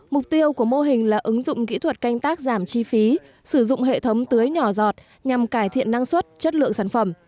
mục tiêu của mô hình là ứng dụng kỹ thuật canh tác giảm chi phí sử dụng hệ thống tưới nhỏ giọt nhằm cải thiện năng suất chất lượng sản phẩm